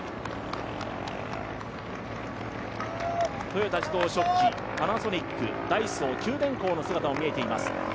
豊田自動織機、パナソニックダイソー、九電工の姿も見えています。